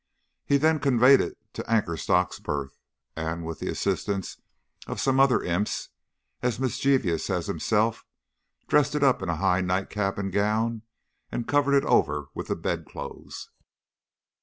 He then conveyed it to Anchorstock's berth, and with the assistance of some other imps, as mischievous as himself, dressed it up in a high nightcap and gown, and covered it over with the bedclothes.